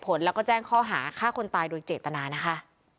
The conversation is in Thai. ผลแล้วก็แจ้งข้อหาฆ่าคนตายโดยเจตนานะคะ